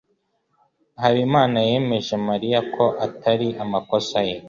Habimana yemeje Mariya ko atari amakosa ye.